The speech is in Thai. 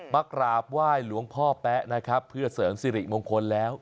มากราบไหว้หลวงพ่อแป๊ะนะครับเพื่อเสริมสิริมงคลแล้ว